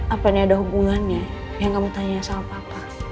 apakah ini ada hubungannya yang kamu tanya sama papa